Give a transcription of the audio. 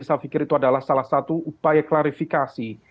saya pikir itu adalah salah satu upaya klarifikasi